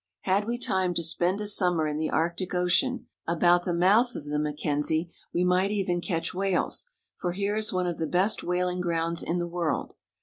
Had we time to spend a summer in the Arctic Ocean, about the mouth of the Mackenzie, we might even catch whales, for here is one of the best whaling grounds in the world.